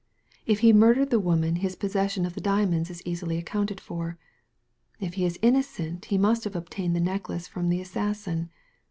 If he murdered the woman his possession of the diamonds is easily accounted for : if he is innocent he must have obtained the necklace from the assassin.